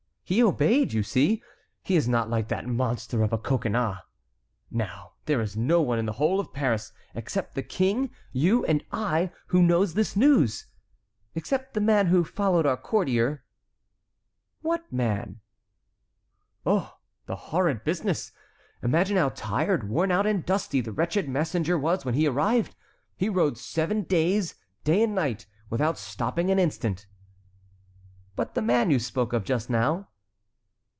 He obeyed, you see; he is not like that monster of a Coconnas. Now there is no one in the whole of Paris, except the King, you, and I, who knows this news; except the man who followed our courier"— "What man?" "Oh! the horrid business! Imagine how tired, worn out, and dusty the wretched messenger was when he arrived! He rode seven days, day and night, without stopping an instant." "But the man you spoke of just now?"